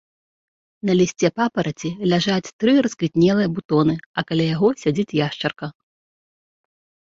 На лісце папараці ляжаць тры расквітнелыя бутоны, а каля яго сядзіць яшчарка.